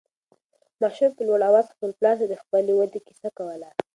ماشوم په لوړ اواز خپل پلار ته د خپلې ودې قصه کوله.